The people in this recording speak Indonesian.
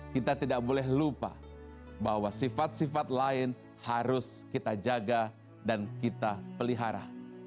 kita tidak boleh lupa bahwa sifat sifat lain harus kita jaga dan kita pelihara